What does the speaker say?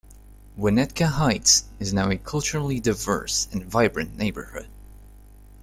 Winnetka Heights is now a culturally diverse and vibrant neighborhood.